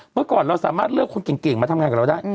เมื่อก่อนเราสามารถเลือกคนเก่งมาทำงานกับเราได้